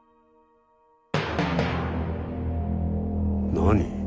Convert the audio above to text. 何？